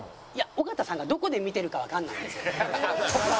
尾形さんがどこで見てるかわかんないですので。